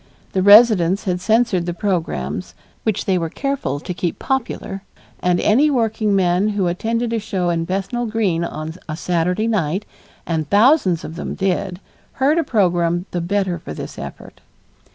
The residents had censored the programs, which they were careful to keep popular, and any workingman who attended a show in Bethnal Green on a Saturday night, and thousands of them did, heard a program the better for this effort.